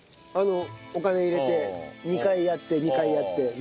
あのお金入れて２回やって２回やって。